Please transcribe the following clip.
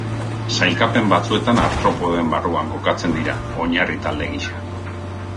Sailkapen batzuetan artropodoen barruan kokatzen dira, oinarri-talde gisa.